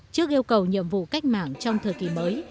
trước yêu cầu nhiệm vụ cách mạng trong thời kỳ mới